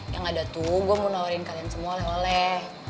yang ada tuh gue mau nawarin kalian semua oleh oleh